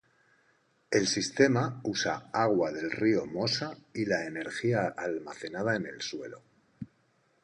El sistema usa agua del río Mosa y la energía almacenada en el suelo.